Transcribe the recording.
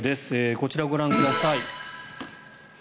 こちらご覧ください。